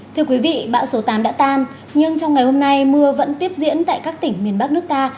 thưa quý vị bão số tám đã tan nhưng trong ngày hôm nay mưa vẫn tiếp diễn tại các tỉnh miền bắc nước ta